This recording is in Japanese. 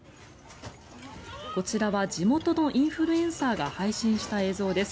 こちらは地元のインフルエンサーが配信した映像です。